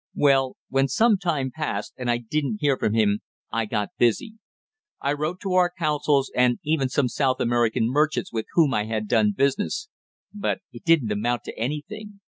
Well, when some time past and I didn't hear from him, I got busy. I wrote to our consuls and even some South American merchants with whom I had done business. But it didn't amount to anything."